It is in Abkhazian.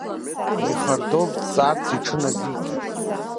Лихардов дцарц иҽыназикит.